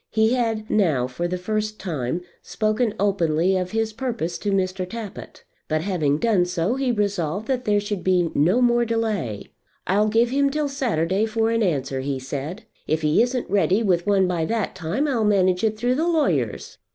He had now, for the first time, spoken openly of his purpose to Mr. Tappitt; but, having done so, he resolved that there should be no more delay. "I'll give him till Saturday for an answer," he said. "If he isn't ready with one by that time I'll manage it through the lawyers."